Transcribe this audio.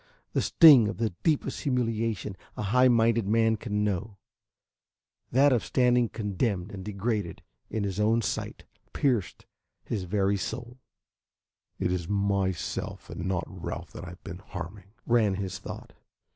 The sting of the deepest humiliation a high minded man can know, that of standing condemned and degraded in his own sight, pierced his very soul. "It is myself and not Ralph that I have been harming," ran his thought.